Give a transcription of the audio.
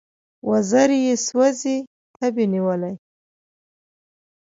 وزر یې سوزي تبې نیولی